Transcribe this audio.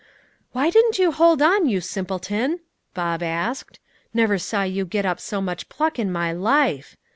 "Why didn't you hold on, you simpleton?" Bob asked. "Never saw you get up so much pluck in my life.